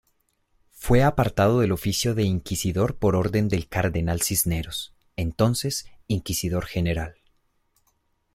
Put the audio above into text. Fue apartado del oficio de inquisidor por orden del cardenal Cisneros, entonces inquisidor general.